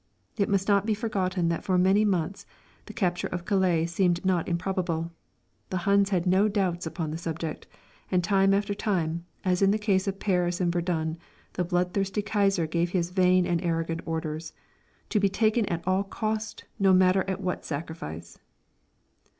It must not be forgotten that for many months the capture of Calais seemed not improbable; the Huns had no doubts upon the subject, and time after time, as in the case of Paris and Verdun, the bloodthirsty Kaiser gave his vain and arrogant orders: "_To be taken at all cost, no matter at what sacrifice!